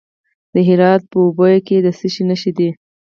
د هرات په اوبې کې د څه شي نښې دي؟